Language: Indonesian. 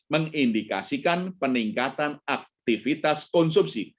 mengindikasikan peningkatan aktivitas konsumsi